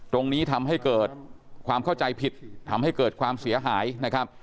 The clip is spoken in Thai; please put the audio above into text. ตรงนี้ทำให้เกิดความเข้าใจผิดทำให้เกิดความเสียหายนะครับ